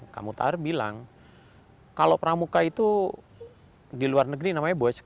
ya kan kak muthahar bilang kalau pramuka itu di luar negeri namanya bangsa indonesia